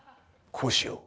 こうしよう。